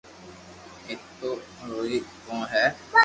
ايتو روئي ڪون ھي